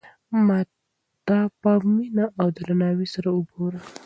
ما ته په مینه او درناوي سره وگوره.